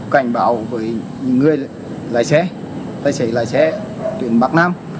cảnh báo với những người lái xe lái xe lái xe tuyển bắc nam